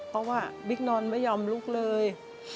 เพราะว่าบิ๊กนอนไม่ยอมลุกเลย